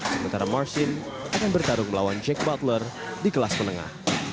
sementara marshin akan bertarung melawan jack butler di kelas menengah